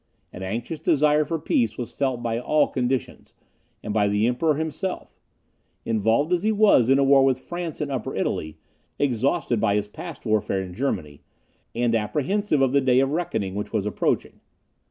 An anxious desire for peace was felt by all conditions, and by the Emperor himself; involved as he was in a war with France in Upper Italy, exhausted by his past warfare in Germany, and apprehensive of the day of reckoning which was approaching.